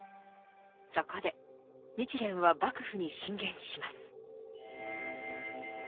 そこで日蓮は幕府に進言します。